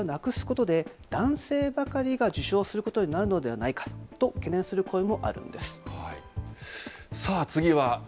ただ性別の区分けをなくすことで、男性ばかりが受賞することになるのではないかと懸念する声もあるんです。